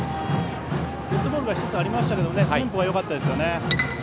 デッドボールが１つありましたがテンポはよかったですね。